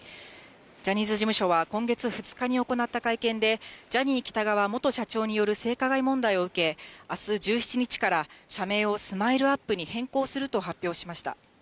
ジャニーズ事務所は今月２日に行った会見で、ジャニー喜多川元社長による性加害問題を受け、あす１７日から社名をスマイルアップに変更すると発表しました。